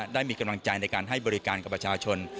ได้มีกำลังใจในการให้บริการกับประชาชน